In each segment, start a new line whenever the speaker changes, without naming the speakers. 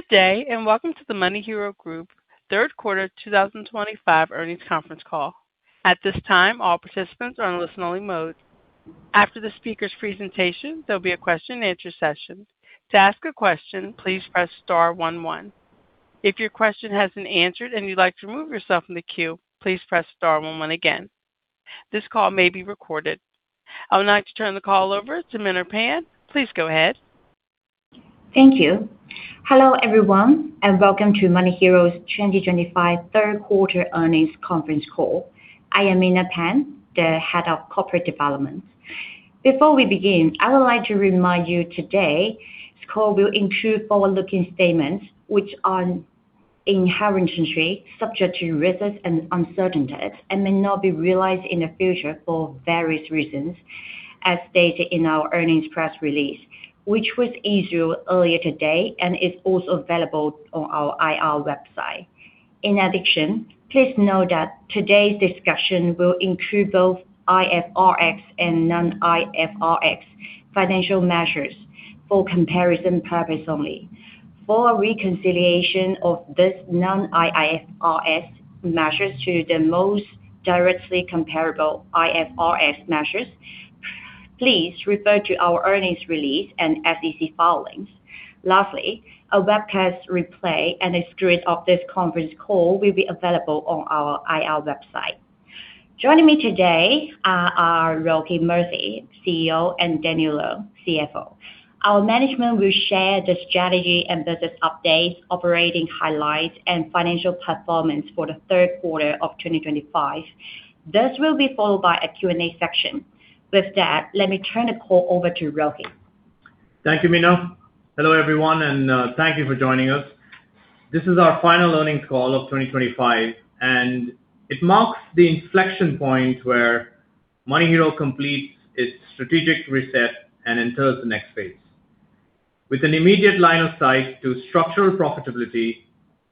Good day, and welcome to the MoneyHero Group, Third Quarter 2025 earnings conference call. At this time, all participants are on listen-only mode. After the speaker's presentation, there'll be a question-and-answer session. To ask a question, please press star one one. If your question hasn't answered and you'd like to remove yourself from the queue, please press star one one again. This call may be recorded. I would like to turn the call over to Miner Pan. Please go ahead.
Thank you. Hello, everyone, and welcome to MoneyHero's 2025 Third Quarter earnings conference call. I am Miner Pan, the Head of Corporate Development. Before we begin, I would like to remind you today this call will include forward-looking statements, which are inherently subject to risks and uncertainties and may not be realized in the future for various reasons, as stated in our earnings press release, which was issued earlier today and is also available on our IR website. In addition, please note that today's discussion will include both IFRS and non-IFRS financial measures for comparison purposes only. For reconciliation of these non-IFRS measures to the most directly comparable IFRS measures, please refer to our earnings release and SEC filings. Lastly, a webcast replay and a script of this conference call will be available on our IR website. Joining me today are Rohith Murthy, CEO, and Danny Leung, CFO. Our management will share the strategy and business updates, operating highlights, and financial performance for the third quarter of 2025. This will be followed by a Q&A section. With that, let me turn the call over to Rohith.
Thank you, Miner. Hello, everyone, and thank you for joining us. This is our final earnings call of 2025, and it marks the inflection point where MoneyHero completes its strategic reset and enters the next phase with an immediate line of sight to structural profitability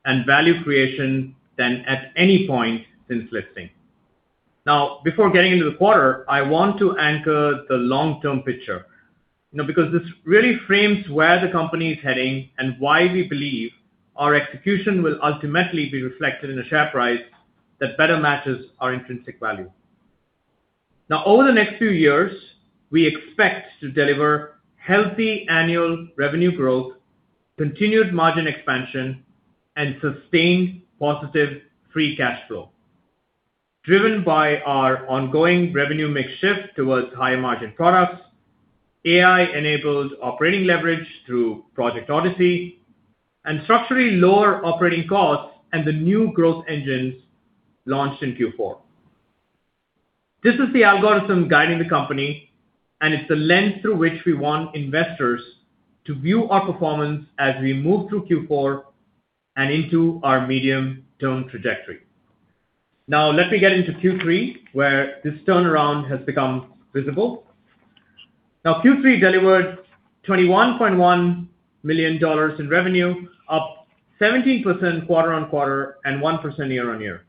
and value creation than at any point since listing. Now, before getting into the quarter, I want to anchor the long-term picture because this really frames where the company is heading and why we believe our execution will ultimately be reflected in a share price that better matches our intrinsic value. Now, over the next few years, we expect to deliver healthy annual revenue growth, continued margin expansion, and sustained positive Free Cash Flow driven by our ongoing revenue mix shift towards higher margin products, AI-enabled operating leverage through Project Odyssey, and structurally lower operating costs and the new growth engines launched in Q4. This is the algorithm guiding the company, and it's the lens through which we want investors to view our performance as we move through Q4 and into our medium-term trajectory. Now, let me get into Q3, where this turnaround has become visible. Now, Q3 delivered $21.1 million in revenue, up 17% quarter-on-quarter and 1% year-on-year.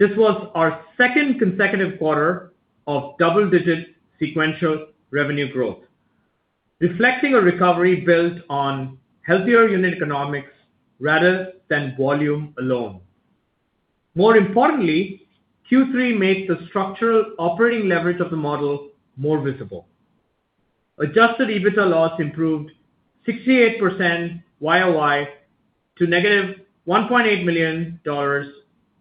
This was our second consecutive quarter of double-digit sequential revenue growth, reflecting a recovery built on healthier unit economics rather than volume alone. More importantly, Q3 made the structural operating leverage of the model more visible. Adjusted EBITDA loss improved 68% YoY to -$1.8 million,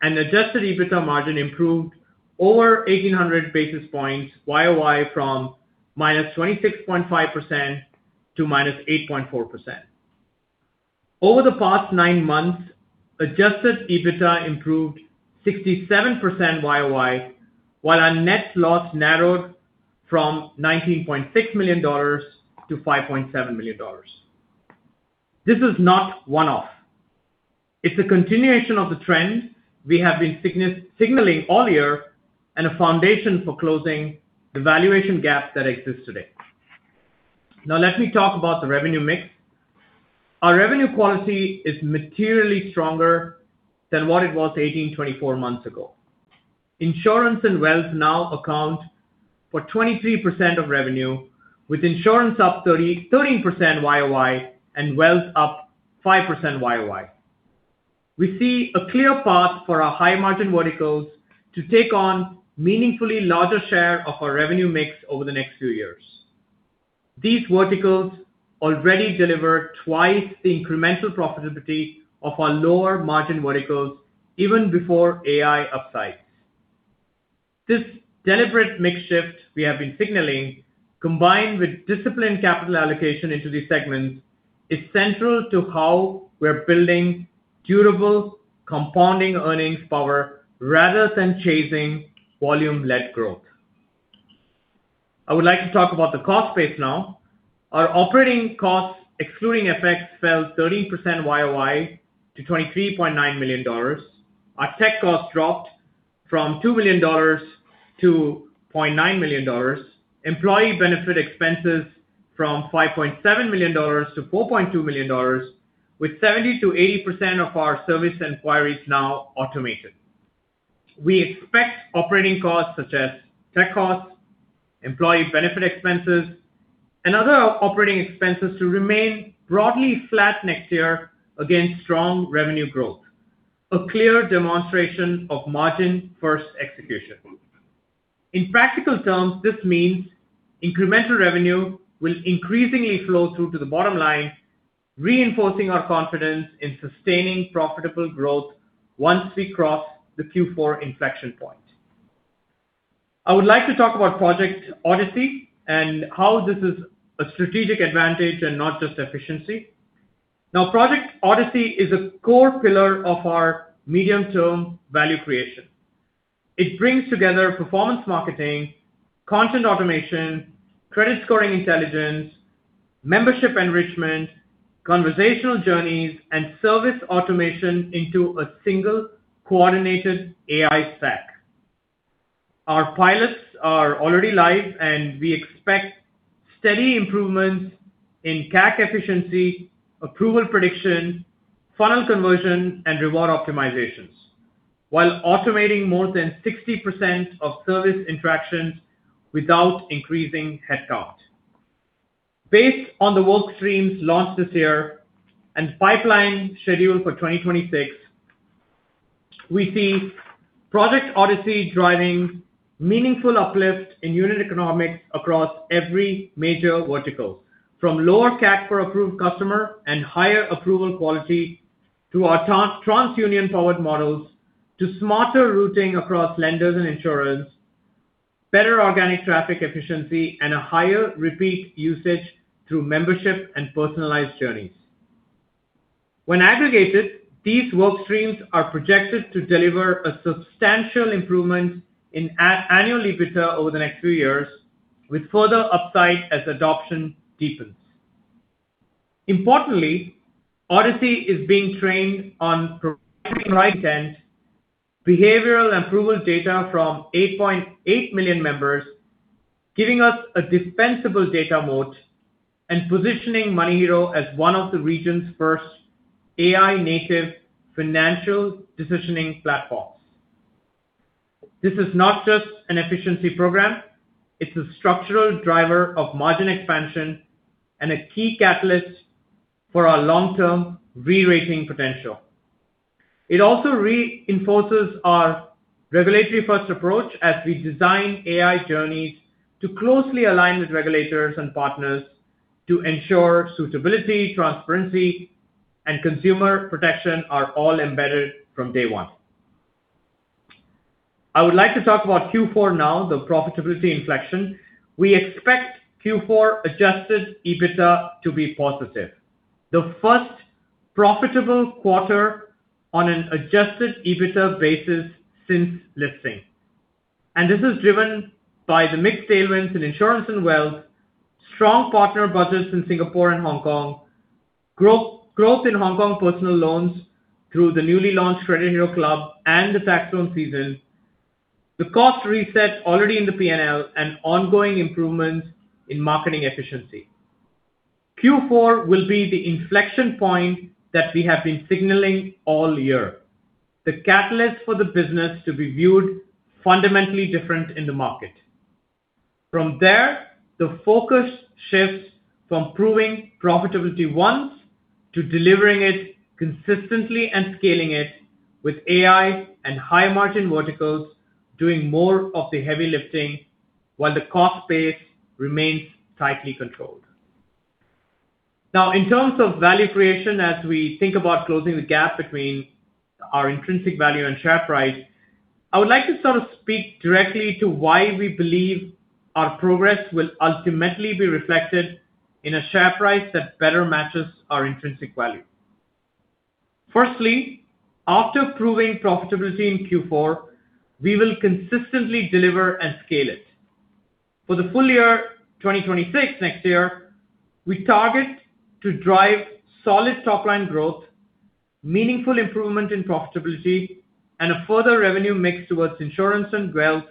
and adjusted EBITDA margin improved over 1,800 basis points YOY from -26.5% to -8.4%. Over the past nine months, adjusted EBITDA improved 67% YoY, while our net loss narrowed from $19.6 million-$5.7 million. This is not one-off. It's a continuation of the trend we have been signaling all year and a foundation for closing the valuation gap that exists today. Now, let me talk about the revenue mix. Our revenue quality is materially stronger than what it was 18, 24 months ago. Insurance and Wealth now account for 23% of revenue, with Insurance up 13% YoY and Wealth up 5% YoY. We see a clear path for our high-margin verticals to take on a meaningfully larger share of our revenue mix over the next few years. These verticals already deliver twice the incremental profitability of our lower-margin verticals even before AI upsides. This deliberate mix shift we have been signaling, combined with disciplined capital allocation into these segments, is central to how we're building durable compounding earnings power rather than chasing volume-led growth. I would like to talk about the cost base now. Our operating costs excluding FX fell 13% YoY to $23.9 million. Our tech costs dropped from $2 million to $0.9 million. Employee benefit expenses from $5.7 million to $4.2 million, with 70%-80% of our service inquiries now automated. We expect operating costs such as tech costs, employee benefit expenses, and other operating expenses to remain broadly flat next year against strong revenue growth, a clear demonstration of margin-first execution. In practical terms, this means incremental revenue will increasingly flow through to the bottom line, reinforcing our confidence in sustaining profitable growth once we cross the Q4 inflection point. I would like to talk about Project Odyssey and how this is a strategic advantage and not just efficiency. Now, Project Odyssey is a core pillar of our medium-term value creation. It brings together performance marketing, content automation, credit scoring intelligence, membership enrichment, conversational journeys, and service automation into a single coordinated AI stack. Our pilots are already live, and we expect steady improvements in CAC efficiency, approval prediction, funnel conversion, and reward optimizations, while automating more than 60% of service interactions without increasing headcount. Based on the work streams launched this year and pipeline scheduled for 2026, we see Project Odyssey driving meaningful uplift in unit economics across every major vertical, from lower CAC per approved customer and higher approval quality to our TransUnion-powered models, to smarter routing across lenders and insurers, better organic traffic efficiency, and a higher repeat usage through membership and personalized journeys. When aggregated, these work streams are projected to deliver a substantial improvement in annual EBITDA over the next few years, with further upside as adoption deepens. Importantly, Odyssey is being trained on providing intent behavioral approval data from 8.8 million members, giving us a defensible data moat and positioning MoneyHero as one of the region's first AI-native financial decisioning platforms. This is not just an efficiency program. It's a structural driver of margin expansion and a key catalyst for our long-term re-rating potential. It also reinforces our regulatory-first approach as we design AI journeys to closely align with regulators and partners to ensure suitability, transparency, and consumer protection are all embedded from day one. I would like to talk about Q4 now, the profitability inflection. We expect Q4 Adjusted EBITDA to be positive, the first profitable quarter on an Adjusted EBITDA basis since listing. This is driven by the mixed tailwinds in Insurance and Wealth, strong partner budgets in Singapore and Hong Kong, growth in Hong Kong Personal Loans through the newly launched Credit Hero Club and the tax loan season, the cost reset already in the P&L, and ongoing improvements in marketing efficiency. Q4 will be the inflection point that we have been signaling all year, the catalyst for the business to be viewed fundamentally different in the market. From there, the focus shifts from proving profitability once to delivering it consistently and scaling it with AI and high-margin verticals doing more of the heavy lifting while the cost base remains tightly controlled. Now, in terms of value creation, as we think about closing the gap between our intrinsic value and share price, I would like to sort of speak directly to why we believe our progress will ultimately be reflected in a share price that better matches our intrinsic value. Firstly, after proving profitability in Q4, we will consistently deliver and scale it. For the full year 2026 next year, we target to drive solid top-line growth, meaningful improvement in profitability, and a further revenue mix towards Insurance and Wealth,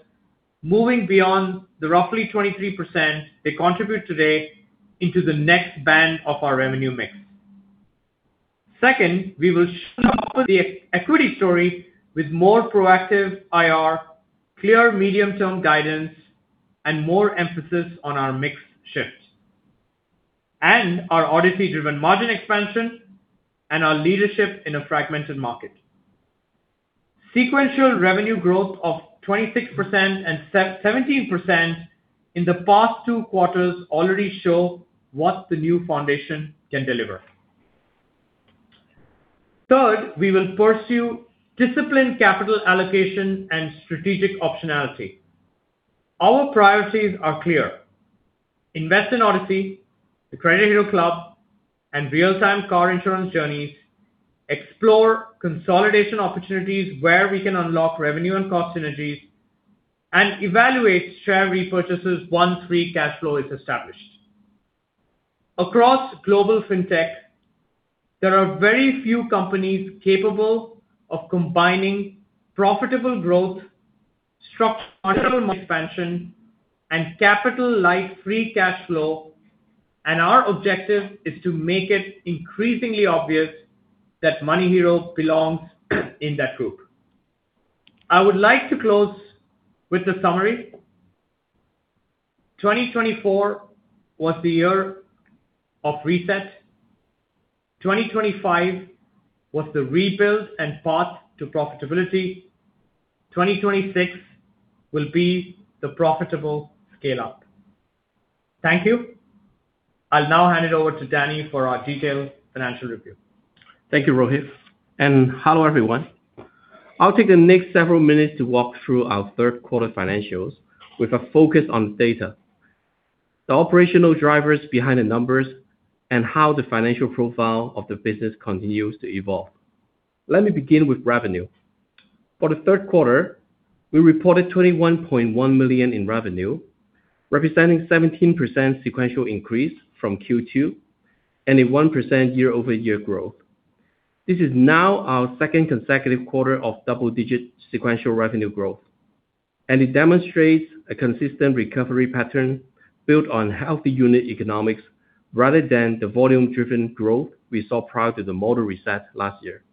moving beyond the roughly 23% they contribute today into the next band of our revenue mix. Second, we will beef up the equity story with more proactive IR, clear medium-term guidance, and more emphasis on our mix shift and our Odyssey-driven margin expansion and our leadership in a fragmented market. Sequential revenue growth of 26% and 17% in the past two quarters already show what the new foundation can deliver. Third, we will pursue disciplined capital allocation and strategic optionality. Our priorities are clear: invest in Odyssey, the Credit Hero Club, and real-time car insurance journeys, explore consolidation opportunities where we can unlock revenue and cost synergies, and evaluate share repurchases once free cash flow is established. Across global fintech, there are very few companies capable of combining profitable growth, structural margin expansion, and capital-like free cash flow, and our objective is to make it increasingly obvious that MoneyHero belongs in that group. I would like to close with the summary. 2024 was the year of reset. 2025 was the rebuild and path to profitability. 2026 will be the profitable scale-up. Thank you. I'll now hand it over to Danny for our detailed financial review.
Thank you, Rohith. And hello, everyone. I'll take the next several minutes to walk through our third-quarter financials with a focus on the data, the operational drivers behind the numbers, and how the financial profile of the business continues to evolve. Let me begin with revenue. For the third quarter, we reported $21.1 million in revenue, representing a 17% sequential increase from Q2 and a 1% year-over-year growth. This is now our second consecutive quarter of double-digit sequential revenue growth, and it demonstrates a consistent recovery pattern built on healthy unit economics rather than the volume-driven growth we saw prior to the model reset last year.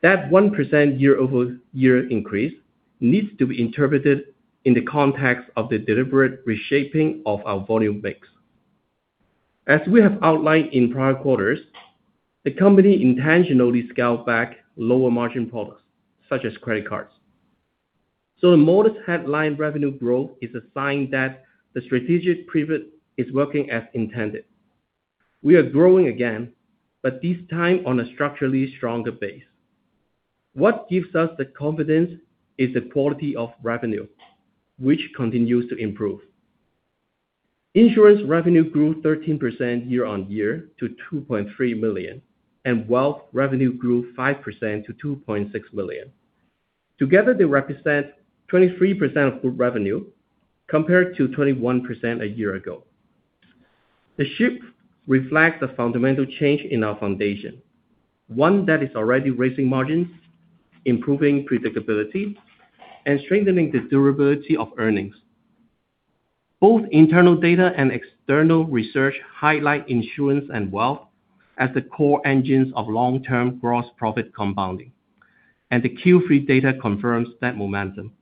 That 1% year-over-year increase needs to be interpreted in the context of the deliberate reshaping of our volume mix. As we have outlined in prior quarters, the company intentionally scaled back lower-margin products such as Credit Cards. So the modest headline revenue growth is a sign that the strategic pivot is working as intended. We are growing again, but this time on a structurally stronger base. What gives us the confidence is the quality of revenue, which continues to improve. Insurance revenue grew 13% year-on-year to $2.3 million, and Wealth revenue grew 5% to $2.6 million. Together, they represent 23% of group revenue compared to 21% a year ago. The shift reflects a fundamental change in our foundation, one that is already raising margins, improving predictability, and strengthening the durability of earnings. Both internal data and external research highlight Insurance and Wealth as the core engines of long-term gross profit compounding, and the Q3 data confirms that momentum.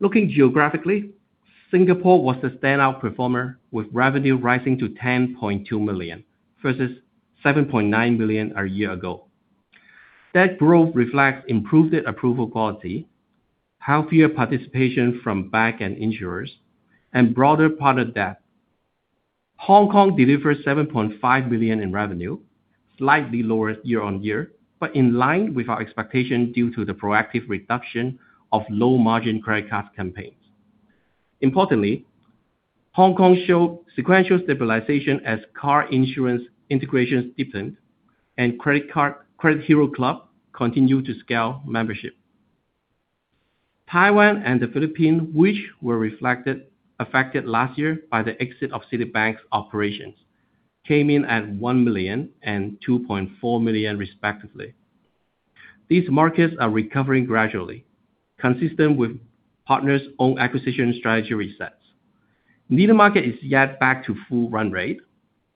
Looking geographically, Singapore was the standout performer with revenue rising to $10.2 million versus $7.9 million a year ago. That growth reflects improved approval quality, healthier participation from banks and insurers, and broader product depth. Hong Kong delivers $7.5 million in revenue, slightly lower year-over-year, but in line with our expectation due to the proactive reduction of low-margin credit card campaigns. Importantly, Hong Kong showed sequential stabilization as car insurance integration stepped up and Credit Hero Club continued to scale membership. Taiwan and the Philippines, which were affected last year by the exit of Citibank's operations, came in at $1 million and $2.4 million, respectively. These markets are recovering gradually, consistent with partners' own acquisition strategy resets. The market is not yet back to full run rate,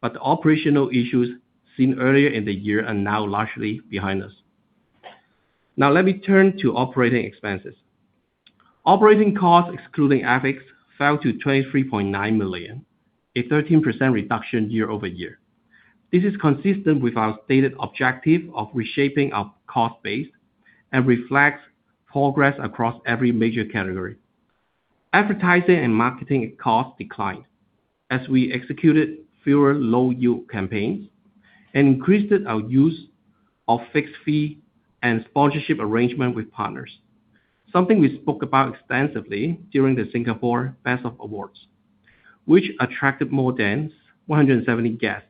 but the operational issues seen earlier in the year are now largely behind us. Now, let me turn to operating expenses. Operating costs, excluding FX, fell to $23.9 million, a 13% reduction year-over-year. This is consistent with our stated objective of reshaping our cost base and reflects progress across every major category. Advertising and marketing costs declined as we executed fewer low-yield campaigns and increased our use of fixed fee and sponsorship arrangements with partners, something we spoke about extensively during the Singapore Best of Awards, which attracted more than 170 guests.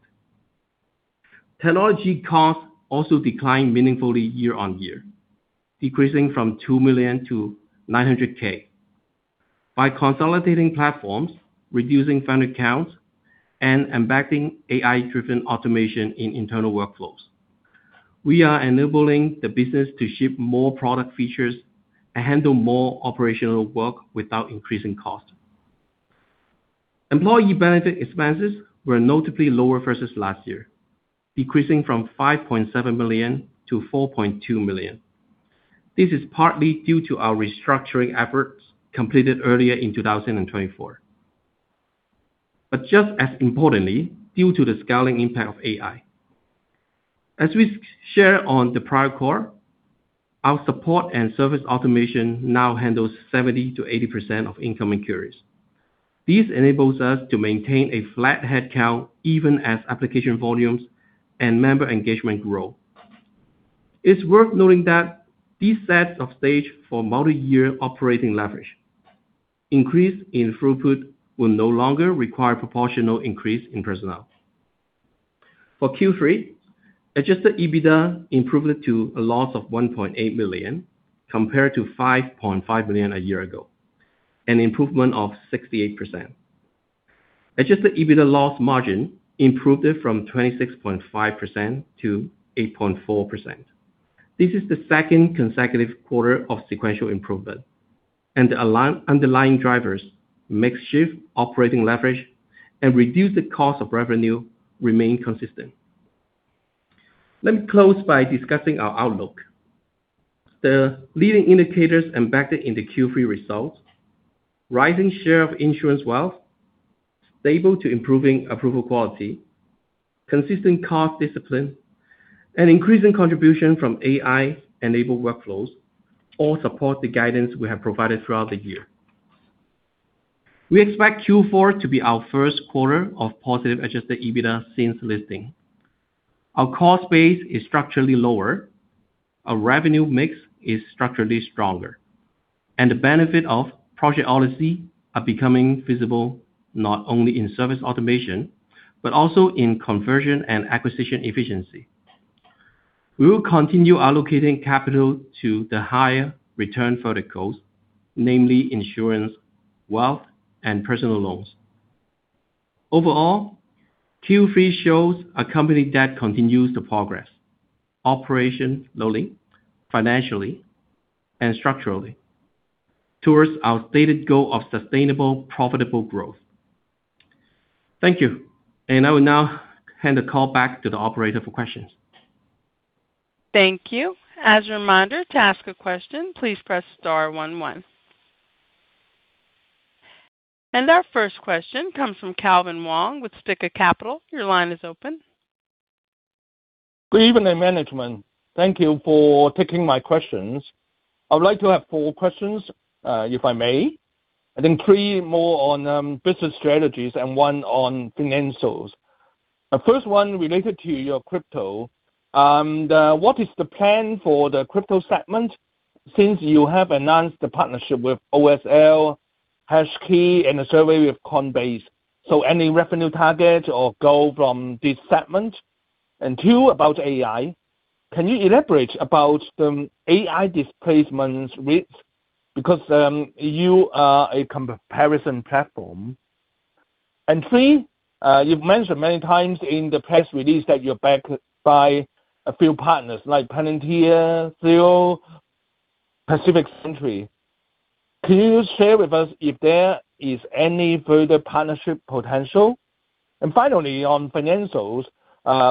Technology costs also declined meaningfully year-on-year, decreasing from $2 million to $900,000 by consolidating platforms, reducing vendor counts, and embedding AI-driven automation in internal workflows. We are enabling the business to ship more product features and handle more operational work without increasing costs. Employee benefit expenses were notably lower versus last year, decreasing from $5.7 million to $4.2 million. This is partly due to our restructuring efforts completed earlier in 2024, but just as importantly, due to the scaling impact of AI. As we shared on the prior quarter, our support and service automation now handles 70%-80% of incoming queries. This enables us to maintain a flat headcount even as application volumes and member engagement grow. It's worth noting that these set the stage for multi-year operating leverage. Increase in throughput will no longer require proportional increase in personnel. For Q3, Adjusted EBITDA improved to a loss of $1.8 million compared to $5.5 million a year ago, an improvement of 68%. Adjusted EBITDA loss margin improved from 26.5%-8.4%. This is the second consecutive quarter of sequential improvement, and the underlying drivers, mix shift, operating leverage, and reduced cost of revenue remain consistent. Let me close by discussing our outlook. The leading indicators embedded in the Q3 results: rising share of Insurance Wealth, stable to improving approval quality, consistent cost discipline, and increasing contribution from AI-enabled workflows all support the guidance we have provided throughout the year. We expect Q4 to be our first quarter of positive Adjusted EBITDA since listing. Our cost base is structurally lower, our revenue mix is structurally stronger, and the benefits of Project Odyssey are becoming visible not only in service automation, but also in conversion and acquisition efficiency. We will continue allocating capital to the higher return verticals, namely Insurance, Wealth, and Personal Loans. Overall, Q3 shows a company that continues to progress operationally and structurally towards our stated goal of sustainable profitable growth. Thank you, and I will now hand the call back to the operator for questions.
Thank you. As a reminder, to ask a question, please press star one one, and our first question comes from Calvin Wong with Spica Capital. Your line is open.
Good evening, management. Thank you for taking my questions. I would like to have four questions, if I may, and then three more on business strategies and one on financials. The first one related to your crypto. What is the plan for the crypto segment since you have announced the partnership with OSL, HashKey, and a survey with Coinbase? So any revenue targets or goal from this segment? And two, about AI. Can you elaborate about the AI displacement risk? Because you are a comparison platform. And three, you've mentioned many times in the press release that you're backed by a few partners like Palantir, Thiel, Pacific Century. Can you share with us if there is any further partnership potential? And finally, on financials,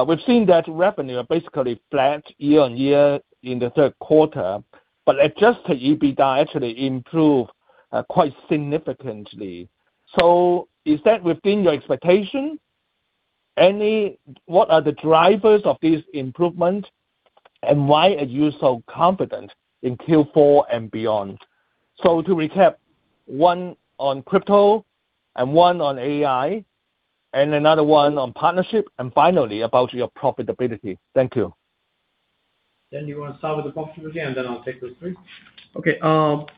we've seen that revenue are basically flat year-on-year in the third quarter, but Adjusted EBITDA actually improved quite significantly. So is that within your expectation? What are the drivers of this improvement, and why are you so confident in Q4 and beyond? So to recap, one on crypto and one on AI, and another one on partnership, and finally, about your profitability. Thank you.
Then do you want to start with the profitability, and then I'll take the three?
Okay.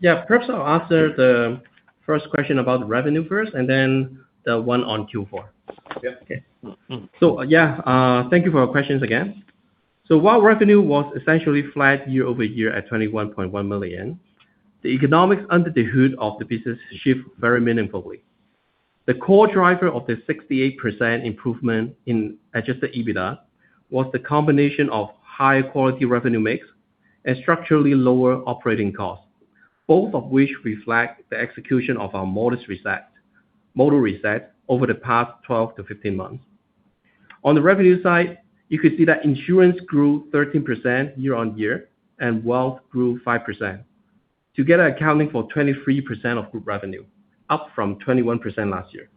Yeah, perhaps I'll answer the first question about revenue first, and then the one on Q4.
Yeah.
Okay. So yeah, thank you for your questions again. So while revenue was essentially flat year-over-year at $21.1 million, the economics under the hood of the business shift very meaningfully. The core driver of the 68% improvement in Adjusted EBITDA was the combination of high-quality revenue mix and structurally lower operating costs, both of which reflect the execution of our modest reset over the past 12 months-15 months. On the revenue side, you can see that Insurance grew 13% year-on-year and Wealth grew 5%, together accounting for 23% of group revenue, up from 21% last year.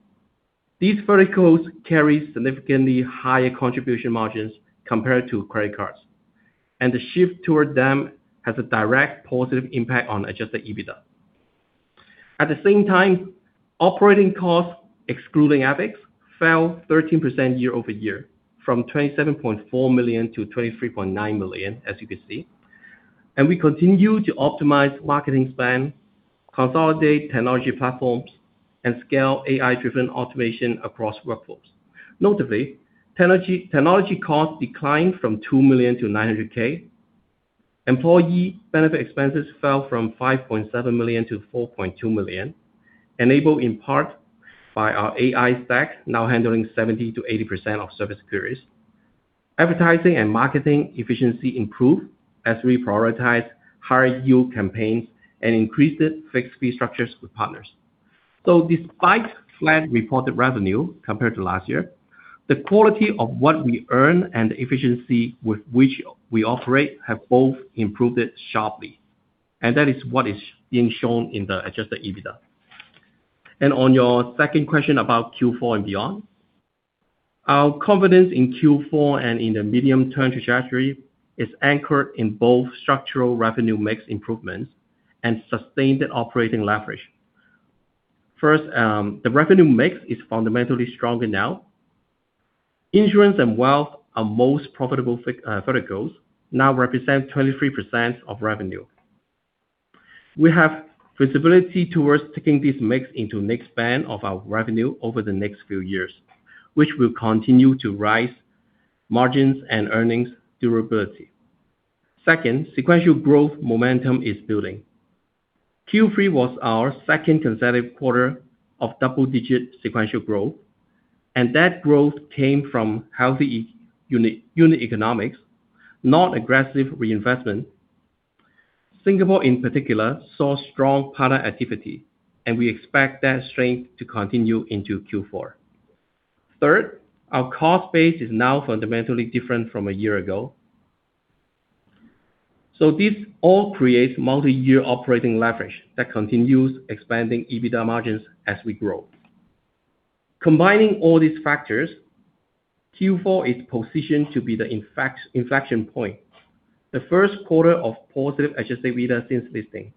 These verticals carry significantly higher contribution margins compared to credit cards, and the shift toward them has a direct positive impact on Adjusted EBITDA. At the same time, operating costs, excluding FX, fell 13% year-over-year from $27.4 million to $23.9 million, as you can see, and we continue to optimize marketing spend, consolidate technology platforms, and scale AI-driven automation across workflows. Notably, technology costs declined from $2 million to $900,000. Employee benefit expenses fell from $5.7 million to $4.2 million, enabled in part by our AI stack now handling 70%-80% of service queries. Advertising and marketing efficiency improved as we prioritized higher-yield campaigns and increased fixed fee structures with partners, so despite flat reported revenue compared to last year, the quality of what we earn and the efficiency with which we operate have both improved sharply, and that is what is being shown in the Adjusted EBITDA. And on your second question about Q4 and beyond, our confidence in Q4 and in the medium-term trajectory is anchored in both structural revenue mix improvements and sustained operating leverage. First, the revenue mix is fundamentally stronger now. Insurance and Wealth are most profitable verticals, now representing 23% of revenue. We have visibility towards taking this mix into the next span of our revenue over the next few years, which will continue to raise margins and earnings durability. Second, sequential growth momentum is building. Q3 was our second consecutive quarter of double-digit sequential growth, and that growth came from healthy unit economics, not aggressive reinvestment. Singapore, in particular, saw strong partner activity, and we expect that strength to continue into Q4. Third, our cost base is now fundamentally different from a year ago. So this all creates multi-year operating leverage that continues expanding EBITDA margins as we grow. Combining all these factors, Q4 is positioned to be the inflection point, the first quarter of positive Adjusted EBITDA since listing.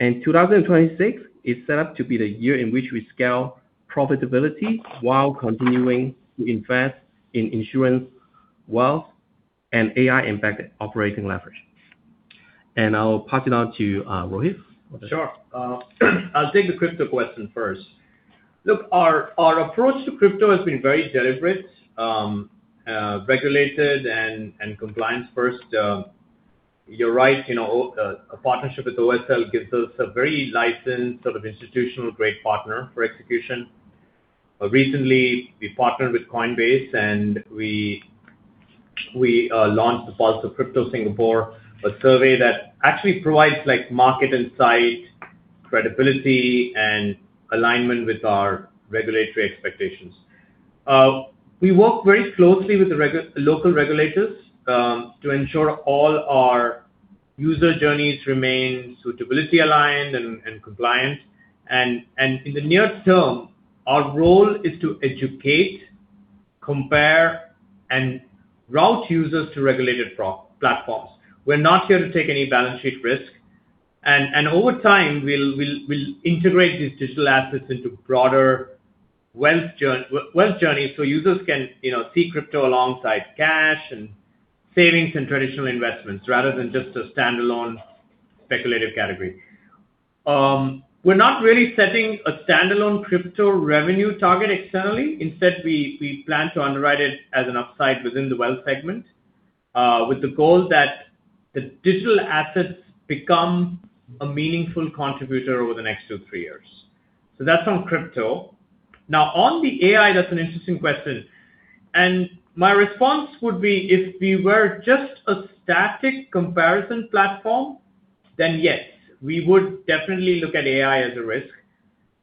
2026 is set up to be the year in which we scale profitability while continuing to invest in Insurance, Wealth, and AI-impacted operating leverage. I'll pass it on to Rohith.
Sure. I'll take the crypto question first. Look, our approach to crypto has been very deliberate, regulated, and compliance-first. You're right, a partnership with OSL gives us a very licensed, sort of institutional-grade partner for execution. Recently, we partnered with Coinbase, and we launched the Pulse of Crypto Singapore, a survey that actually provides market insight, credibility, and alignment with our regulatory expectations. We work very closely with the local regulators to ensure all our user journeys remain suitability-aligned and compliant. In the near term, our role is to educate, compare, and route users to regulated platforms. We're not here to take any balance sheet risk. Over time, we'll integrate these digital assets into broader Wealth journeys so users can see crypto alongside cash and savings and traditional investments rather than just a standalone speculative category. We're not really setting a standalone crypto revenue target externally. Instead, we plan to underwrite it as an upside within the Wealth segment with the goal that the digital assets become a meaningful contributor over the next two to three years. That's on crypto. Now, on the AI, that's an interesting question. My response would be if we were just a static comparison platform, then yes, we would definitely look at AI as a risk.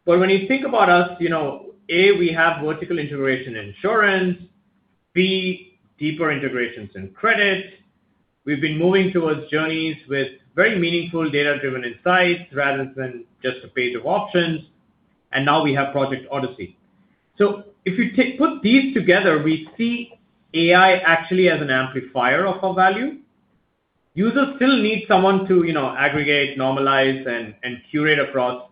But when you think about us, A, we have vertical integration Insurance, B, deeper integrations in credit. We've been moving towards journeys with very meaningful data-driven insights rather than just a page of options. And now we have Project Odyssey. So if you put these together, we see AI actually as an amplifier of our value. Users still need someone to aggregate, normalize, and curate across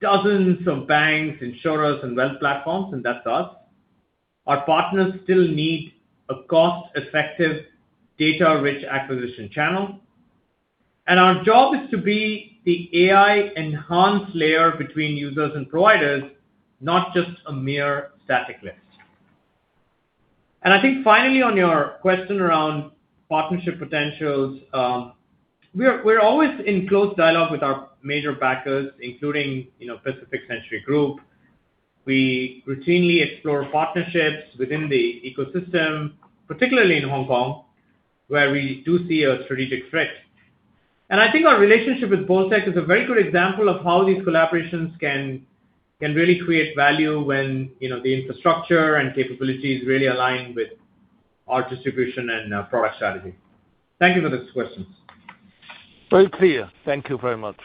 dozens of banks, insurers, and wealth platforms, and that's us. Our partners still need a cost-effective, data-rich acquisition channel. And our job is to be the AI-enhanced layer between users and providers, not just a mere static list. And I think finally, on your question around partnership potentials, we're always in close dialogue with our major backers, including Pacific Century Group. We routinely explore partnerships within the ecosystem, particularly in Hong Kong, where we do see a strategic threat. I think our relationship with Bolttech is a very good example of how these collaborations can really create value when the infrastructure and capabilities really align with our distribution and product strategy. Thank you for these questions.
Very clear. Thank you very much.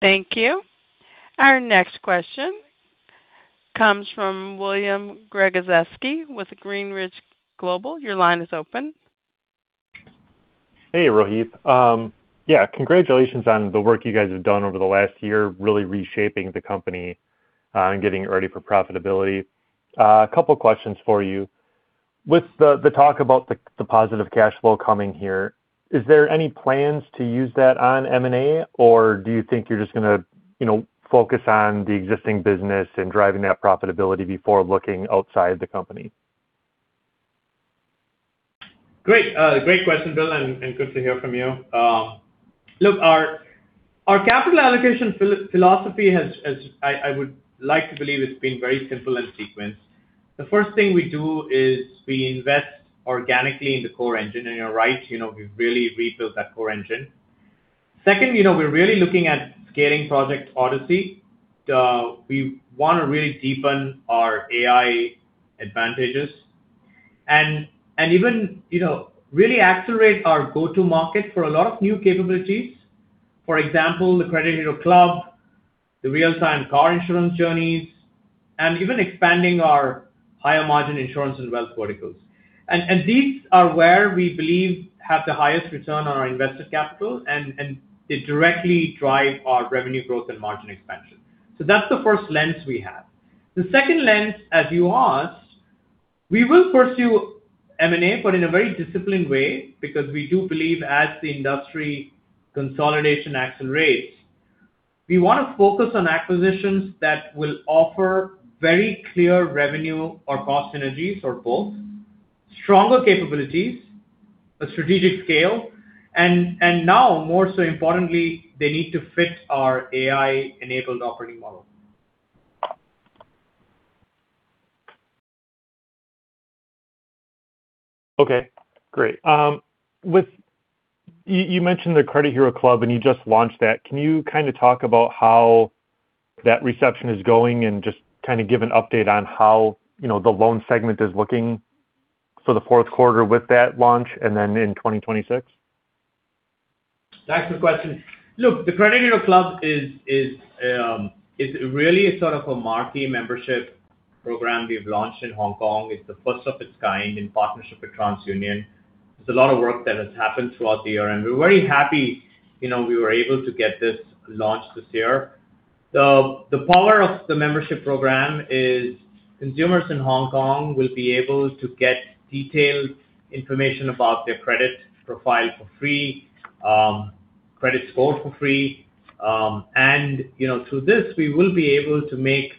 Thank you. Our next question comes from William Gregozeski with Greenridge Global. Your line is open.
Hey, Rohith. Yeah, congratulations on the work you guys have done over the last year, really reshaping the company and getting it ready for profitability. A couple of questions for you. With the talk about the positive cash flow coming here, is there any plans to use that on M&A, or do you think you're just going to focus on the existing business and driving that profitability before looking outside the company?
Great. Great question, Will, and good to hear from you. Look, our capital allocation philosophy has, I would like to believe it's been very simple and sequenced. The first thing we do is we invest organically in the core engine, and you're right, we've really rebuilt that core engine. Second, we're really looking at scaling Project Odyssey. We want to really deepen our AI advantages and even really accelerate our go-to-market for a lot of new capabilities, for example, the Credit Hero Club, the real-time car insurance journeys, and even expanding our higher-margin Insurance and Wealth verticals. And these are where we believe have the highest return on our invested capital, and they directly drive our revenue growth and margin expansion. So that's the first lens we have. The second lens, as you asked, we will pursue M&A, but in a very disciplined way because we do believe as the industry consolidation accelerates, we want to focus on acquisitions that will offer very clear revenue or cost synergies or both, stronger capabilities, a strategic scale, and now, more so importantly, they need to fit our AI-enabled operating model.
Okay. Great. You mentioned the Credit Hero Club, and you just launched that. Can you kind of talk about how that reception is going and just kind of give an update on how the loan segment is looking for the fourth quarter with that launch and then in 2026?
That's the question. Look, the Credit Hero Club is really sort of a marquee membership program we've launched in Hong Kong. It's the first of its kind in partnership with TransUnion. There's a lot of work that has happened throughout the year, and we're very happy we were able to get this launched this year. The power of the membership program is consumers in Hong Kong will be able to get detailed information about their credit profile for free, credit score for free, and through this, we will be able to make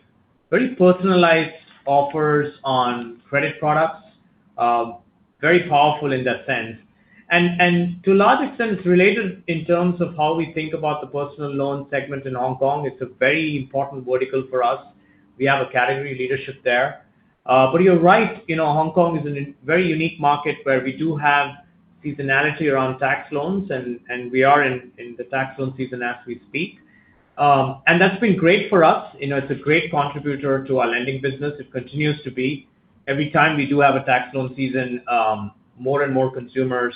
very personalized offers on credit products, very powerful in that sense, and to a large extent, it's related in terms of how we think about the Personal Loans segment in Hong Kong. It's a very important vertical for us. We have a category leadership there. But you're right, Hong Kong is a very unique market where we do have seasonality around tax loans, and we are in the tax loan season as we speak. And that's been great for us. It's a great contributor to our lending business. It continues to be. Every time we do have a tax loan season, more and more consumers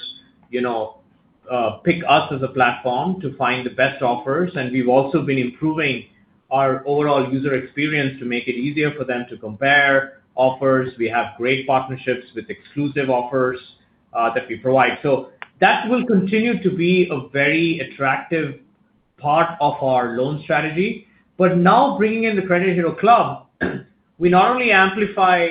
pick us as a platform to find the best offers. And we've also been improving our overall user experience to make it easier for them to compare offers. We have great partnerships with exclusive offers that we provide. So that will continue to be a very attractive part of our loan strategy. But now, bringing in the Credit Hero Club, we not only amplify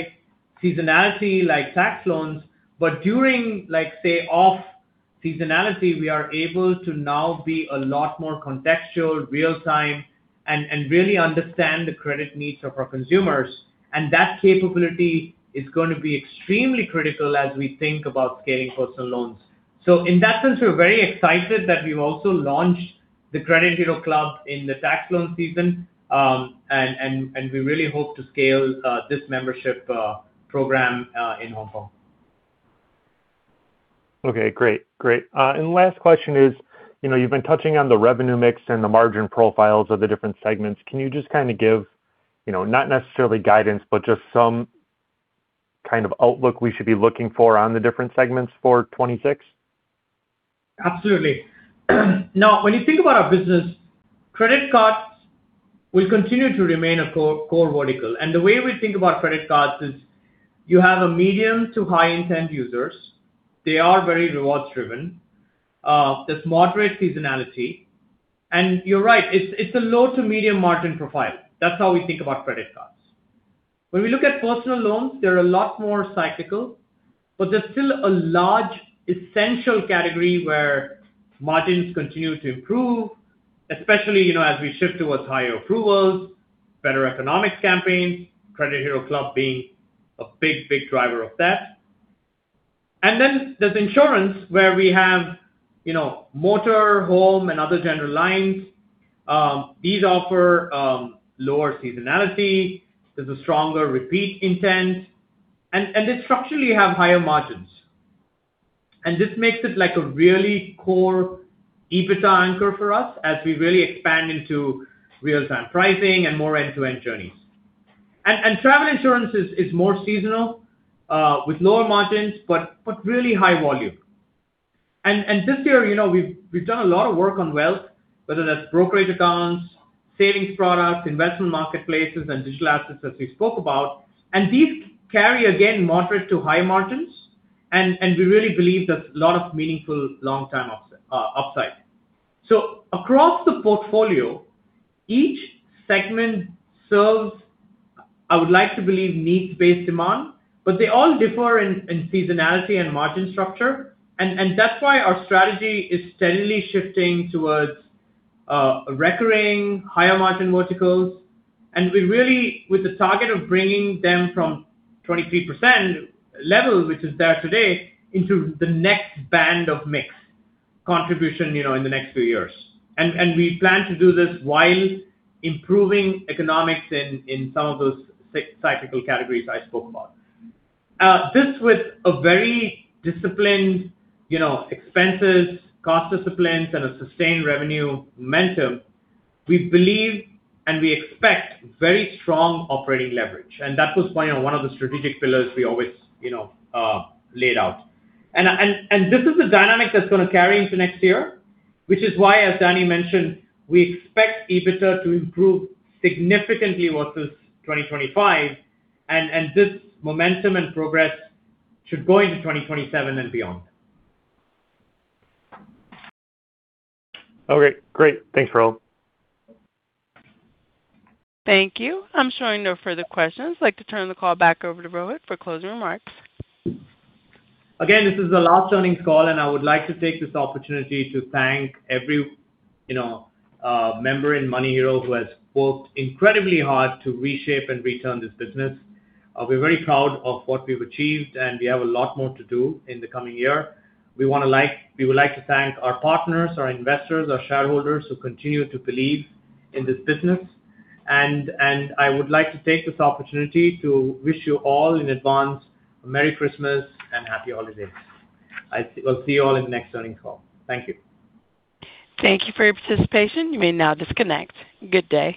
seasonality like tax loans, but during, say, off-seasonality, we are able to now be a lot more contextual, real-time, and really understand the credit needs of our consumers. And that capability is going to be extremely critical as we think about scaling Personal Loans. So in that sense, we're very excited that we've also launched the Credit Hero Club in the tax loan season, and we really hope to scale this membership program in Hong Kong.
Okay. Great. Great. And the last question is, you've been touching on the revenue mix and the margin profiles of the different segments. Can you just kind of give not necessarily guidance, but just some kind of outlook we should be looking for on the different segments for 2026?
Absolutely. Now, when you think about our business, Credit Cards will continue to remain a core vertical. And the way we think about Credit Cards is you have medium to high-intent users. They are very rewards-driven. There's moderate seasonality. And you're right, it's a low to medium margin profile. That's how we think about Credit Cards. When we look at Personal Loans, they're a lot more cyclical, but there's still a large essential category where margins continue to improve, especially as we shift towards higher approvals, better economics campaigns, Credit Hero Club being a big, big driver of that. And then there's Insurance where we have motor, home, and other general lines. These offer lower seasonality. There's a stronger repeat intent, and they structurally have higher margins. And this makes it a really core EBITDA anchor for us as we really expand into real-time pricing and more end-to-end journeys. And travel insurance is more seasonal with lower margins but really high volume. And this year, we've done a lot of work on Wealth, whether that's brokerage accounts, savings products, investment marketplaces, and digital assets, as we spoke about. And these carry, again, moderate to high margins, and we really believe there's a lot of meaningful long-term upside. So across the portfolio, each segment serves, I would like to believe, needs-based demand, but they all differ in seasonality and margin structure. And that's why our strategy is steadily shifting towards recurring, higher-margin verticals. And we really, with the target of bringing them from 23% level, which is there today, into the next band of mix contribution in the next few years. And we plan to do this while improving economics in some of those cyclical categories I spoke about. This, with a very disciplined expenses, cost disciplines, and a sustained revenue momentum, we believe and we expect very strong operating leverage. That was one of the strategic pillars we always laid out. This is the dynamic that's going to carry into next year, which is why, as Danny mentioned, we expect EBITDA to improve significantly versus 2025. This momentum and progress should go into 2027 and beyond.
Okay. Great. Thanks, Rohith.
Thank you. I'm showing no further questions. I'd like to turn the call back over to Rohith for closing remarks.
Again, this is the last earnings call, and I would like to take this opportunity to thank every member in MoneyHero who has worked incredibly hard to reshape and return this business. We're very proud of what we've achieved, and we have a lot more to do in the coming year. We would like to thank our partners, our investors, our shareholders who continue to believe in this business. And I would like to take this opportunity to wish you all in advance a Merry Christmas and happy holidays. We'll see you all in the next earnings call. Thank you.
Thank you for your participation. You may now disconnect. Good day.